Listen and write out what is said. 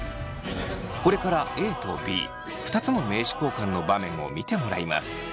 これからＡとＢ２つの名刺交換の場面を見てもらいます。